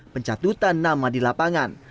pencatutan nama di lapangan